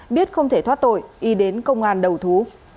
biết không thể thoát tội y đến công an đầu thú